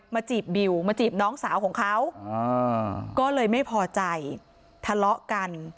จีบบิวมาจีบน้องสาวของเขาก็เลยไม่พอใจทะเลาะกัน